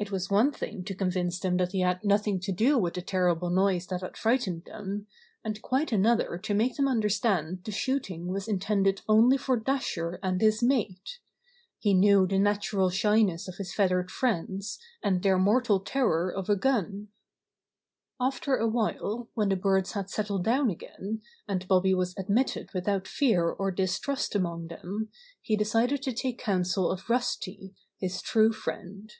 It was one thing to convince them that he had nothing to do with the terrible noise that had frightened them, and quite another to make them understand the shooting was in tended only for Dasher and his mate. He knew the natural shyness of his feathered friends, and their mortal terror of a gun. After a while, when the birds had settled down again, and Bobby was admitted without fear or distrust among them, he decided to take council of Rusty, his true friend.